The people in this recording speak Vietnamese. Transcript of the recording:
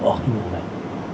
ở cái vùng này